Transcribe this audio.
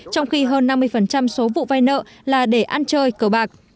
trong khi hơn năm mươi số vụ vai nợ là để ăn chơi cầu bạc